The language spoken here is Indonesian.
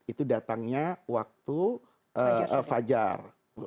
itu datangnya waktu fajar